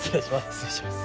失礼します。